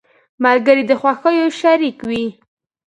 ملګري د خوښیو شريک وي.